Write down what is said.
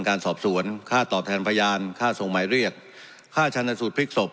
การสอบสวนค่าตอบแทนพยานค่าส่งหมายเรียกค่าชันสูตรพลิกศพ